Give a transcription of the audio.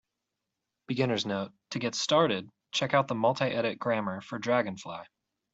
Beginner's note: to get started, check out the multiedit grammar for dragonfly.